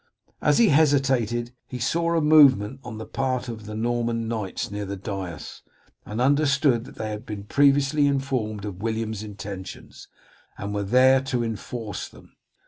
As he hesitated he saw a movement on the part of the Norman knights near the dais, and understood that they had been previously informed of William's intentions, and were there to enforce them.